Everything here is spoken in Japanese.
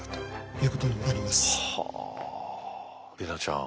怜奈ちゃん。